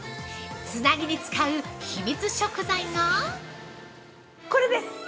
つなぎに使う秘密食材が◆これです！